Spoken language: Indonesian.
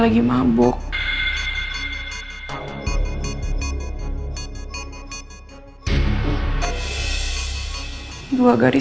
ini apa yfoundnya jack